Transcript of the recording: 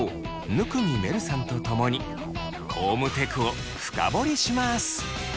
生見愛瑠さんとともにコームテクを深掘りします。